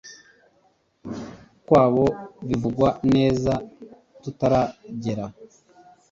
kwabo bivugwa neza tutaragera